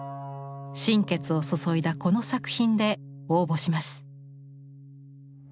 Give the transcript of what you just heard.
心血を注いだこの作品で応募します。